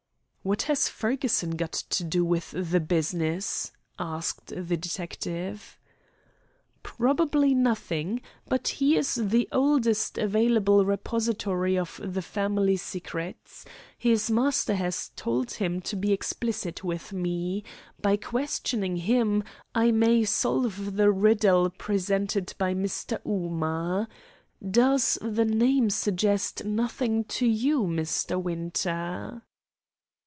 "What has Fergusson got to do with the business?" asked the detective. "Probably nothing. But he is the oldest available repository of the family secrets. His master has told him to be explicit with me. By questioning him, I may solve the riddle presented by Mr. Ooma. Does the name suggest nothing to you, Winter?"